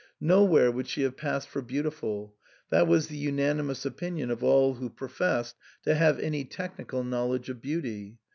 Nowhere would she have passed for beautiful ; that was the unanimous opinion of all who proifessed to have any technical knowledge of beauty.